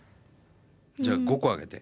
じゃあ５個挙げて。